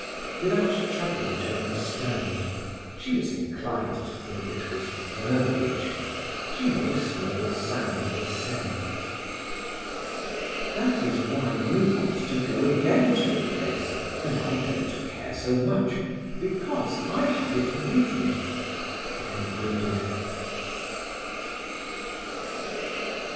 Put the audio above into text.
Without troubling to understand—she was inclined to think it verbiage—she made a small sound of assent. "That is why you want to go again to a place, and I don't care so much, because I have it with me," he concluded.